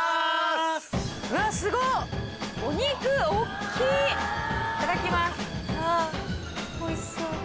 あぁおいしそう。